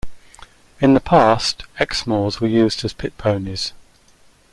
In the past, Exmoors were used as pit ponies.